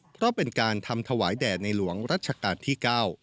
เพราะเป็นการทำถวายแด่ในหลวงรัชกาลที่๙